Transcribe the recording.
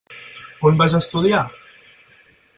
On vas estudiar?